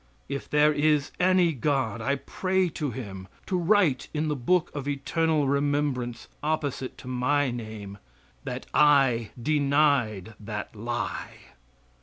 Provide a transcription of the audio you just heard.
If there is any God, I pray Him to write in the book of eternal remembrance opposite to my name, that I denied that lie.